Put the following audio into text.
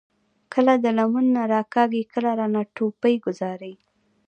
کله د لمن نه راکاږي، کله رانه ټوپۍ ګوذاري ـ